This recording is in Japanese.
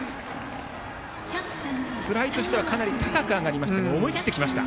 フライとしてはかなり高く上がりましたが思い切って行きました。